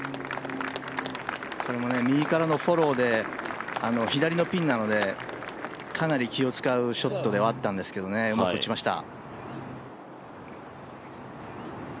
これも右からのフォローで左のピンなのでかなり気を使うショットではあったんですけど、うまく打ちました。